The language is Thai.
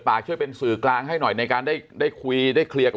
ช่วยเป็นสื่อกลางให้หน่อยในการได้คุยได้เคลียร์กับ